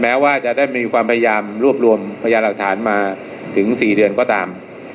แม้ว่าจะได้มีความพยายามรวบรวมพยานหลักฐานมาถึง๔เดือนก็ตาม